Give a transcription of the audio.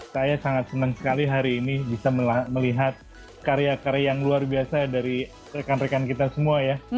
saya sangat senang sekali hari ini bisa melihat karya karya yang luar biasa dari rekan rekan kita semua ya